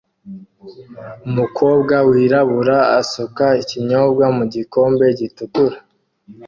Umukobwa wirabura asuka ikinyobwa mugikombe gitukura